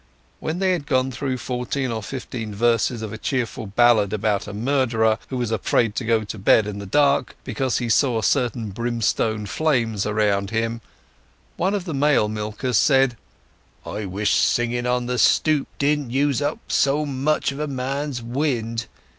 When they had gone through fourteen or fifteen verses of a cheerful ballad about a murderer who was afraid to go to bed in the dark because he saw certain brimstone flames around him, one of the male milkers said— "I wish singing on the stoop didn't use up so much of a man's wind!